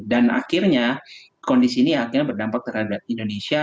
dan akhirnya kondisi ini akhirnya berdampak terhadap indonesia